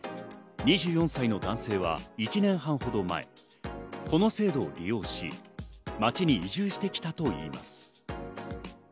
２４歳の男性は１年半ほど前、この制度を利用し、町に移住してきたといいます。